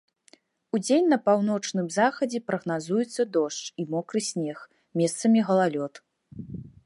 Удзень на паўночным захадзе прагназуецца дождж і мокры снег, месцамі галалёд.